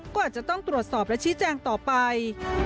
ก็อาจจะต้องตรวจสอบและชี้แจงต่อไป